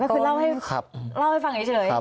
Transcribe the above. ก็คือเล่าให้ฟังเฉย